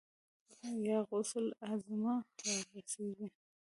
يا غوث الاعظمه! را رسېږه.